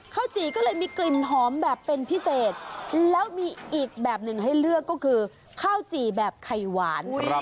จี่ก็เลยมีกลิ่นหอมแบบเป็นพิเศษแล้วมีอีกแบบหนึ่งให้เลือกก็คือข้าวจี่แบบไข่หวาน